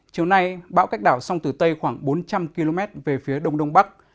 chiều nay bão cách đảo song từ tây khoảng bốn trăm linh km về phía đông đông bắc